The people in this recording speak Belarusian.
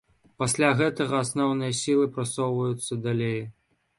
Пасля гэтага асноўныя сілы прасоўваюцца далей.